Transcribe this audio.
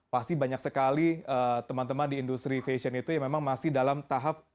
pasti banyak sekali teman teman di industri fashion itu yang memang masih dalam tahap